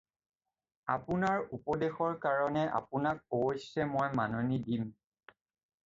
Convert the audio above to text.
আপোনাৰ উপদেশৰ কাৰণে আপোনাক অৱশ্যে মই মাননি দিম।